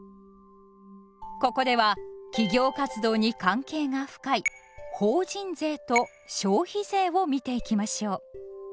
ここでは企業活動に関係が深い「法人税」と「消費税」を見ていきましょう。